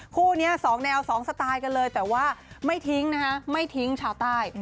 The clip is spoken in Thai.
คู่นี้๒แนว๒สไตล์กันเลยแต่ว่าไม่ทิ้งนะคะไม่ทิ้งชาวใต้